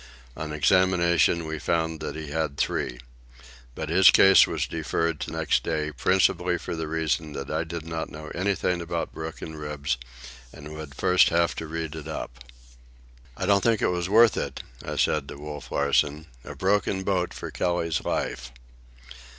On examination we found that he had three. But his case was deferred to next day, principally for the reason that I did not know anything about broken ribs and would first have to read it up. "I don't think it was worth it," I said to Wolf Larsen, "a broken boat for Kelly's life."